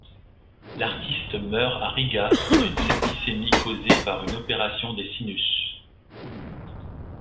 L'artiste meurt à Riga d'une septicémie causée par une opération des sinus.